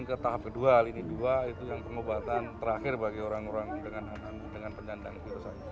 dan ke tahap kedua ini dua itu yang pengobatan terakhir bagi orang orang dengan penyandang virus